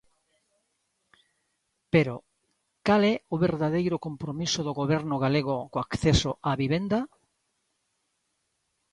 Pero, cal é o verdadeiro compromiso do Goberno galego co acceso á vivenda?